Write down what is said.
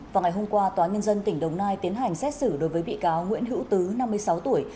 vào ngày hôm qua tòa nhân dân tỉnh đồng nai tiến hành xét xử đối với bị cáo nguyễn hữu tứ năm mươi sáu tuổi